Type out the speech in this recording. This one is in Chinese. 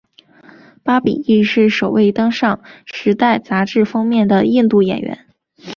巴比亦是首位登上时代杂志封面的印度演员。